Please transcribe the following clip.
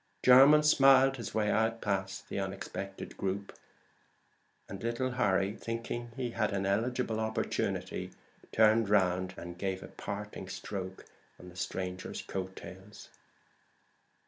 Jermyn smiled his way out past the unexpected group; and little Harry, thinking he had an eligible opportunity, turned round to give a parting stroke on the stranger's coat tails.